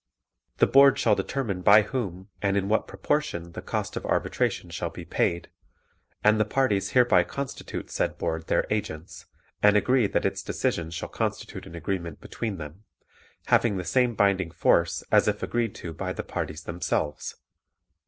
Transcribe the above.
The Board shall determine by whom and in what proportion the cost of arbitration shall be paid, and the parties hereby constitute said Board their agents and agree that its decision shall constitute an agreement between them, having the same binding force as if agreed to by the parties themselves.